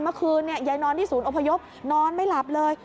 เมื่อคืนยายนอนที่ศูนย์อพยพนอนไม่หลับเลย